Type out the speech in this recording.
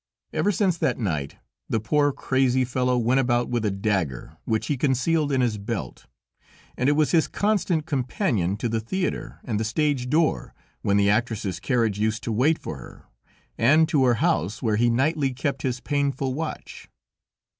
Ever since that night, the poor, crazy fellow went about with a dagger, which he concealed in his belt, and it was his constant companion to the theater, and the stage door, when the actress's carriage used to wait for her, and to her house, where he nightly kept his painful watch.